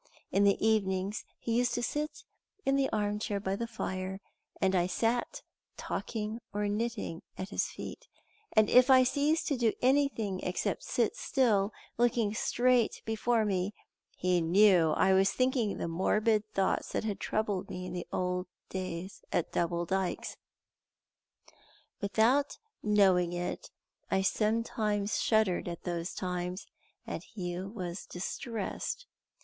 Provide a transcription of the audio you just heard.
In the evenings he used to sit in the arm chair by the fire, and I sat talking or knitting at his feet, and if I ceased to do anything except sit still, looking straight before me, he knew I was thinking the morbid thoughts that had troubled me in the old days at Double Dykes. Without knowing it I sometimes shuddered at those times, and he was distressed.